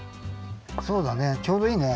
そうだねちょうどいいね。